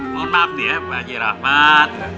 mohon maaf ya pak haji rahmat